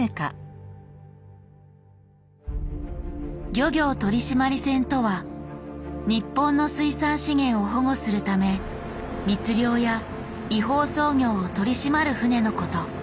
「漁業取締船」とは日本の水産資源を保護するため密漁や違法操業を取り締まる船のこと。